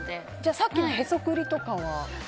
さっきのへそくりとかは？